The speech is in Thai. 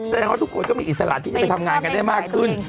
แสดงว่าทุกคนก็มีอิสระที่จะไปทำงานกันได้มากขึ้น